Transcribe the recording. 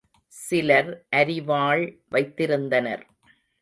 சிலர் அரிவாள் வைத்திருந்தனர்.